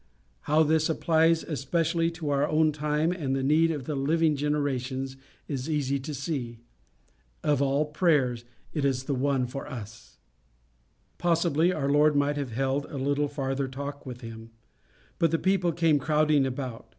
How this applies especially to our own time and the need of the living generations, is easy to see. Of all prayers it is the one for us. Possibly our Lord might have held a little farther talk with him, but the people came crowding about.